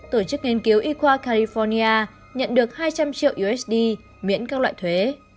tổ chức nghiên cứu y khoa california nhận được hai trăm linh triệu usd miễn các loại thuế